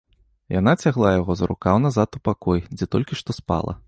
Яна цягла яго за рукаў назад у пакой, дзе толькі што спала.